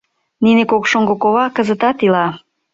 Нине кок шоҥго кова кызытат ила.